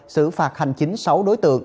sử phạt hành chính sáu đối tượng